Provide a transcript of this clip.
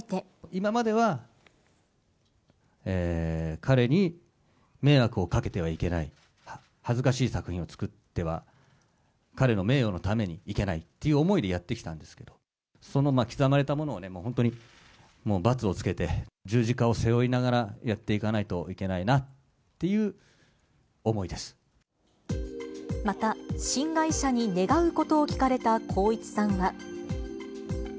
今までは、彼に迷惑をかけてはいけない、恥ずかしい作品を作っては、彼の名誉のためにいけないっていう思いでやってきたんですけれども、その刻まれたものをね、本当にもうバツをつけて、十字架を背負いながら、やっていかないといけないなという思いでまた新会社に願うことを聞かれた光一さんは。